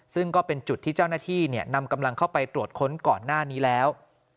ซึ่งก็เป็นจุดที่เจ้าหน้าที่นำกำลังเข้าไปตรวจค้นก่อนหน้านี้แล้ว